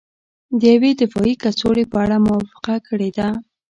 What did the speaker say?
د یوې دفاعي کڅوړې په اړه موافقه کړې ده